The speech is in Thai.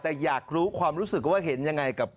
แต่อยากรู้ความรู้สึกว่าเห็นยังไงกับ